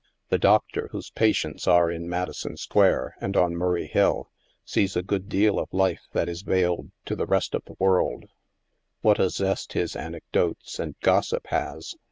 The doctor whose patients are in Madison Square and on Murray Hill, sees a good deal of life that is veiled to the rest of the world ; what a zest his anecdotes and gossip has